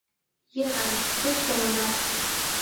Йӧра, кеч толынат.